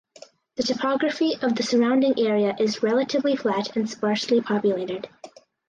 The topography of the surrounding area is relatively flat and sparsely populated.